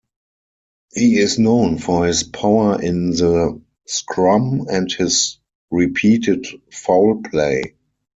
He is known for his power in the scrum and his repeated foul play.